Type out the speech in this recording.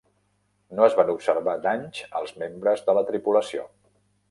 No es van observar danys als membres de la tripulació.